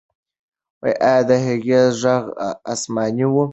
آیا د هغې ږغ آسماني و؟